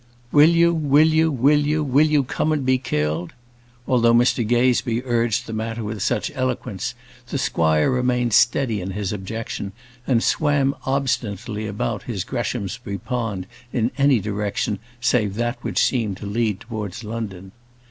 "Will you, will you will you, will you come and be killed?" Although Mr Gazebee urged the matter with such eloquence, the squire remained steady to his objection, and swam obstinately about his Greshamsbury pond in any direction save that which seemed to lead towards London.